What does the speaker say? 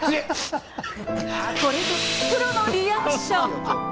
これぞプロのリアクション。